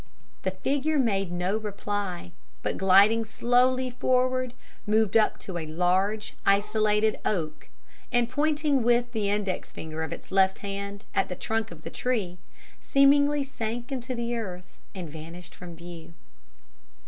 The figure made no reply, but gliding slowly forward, moved up to a large, isolated oak, and pointing with the index finger of its left hand at the trunk of the tree, seemingly sank into the earth and vanished from view.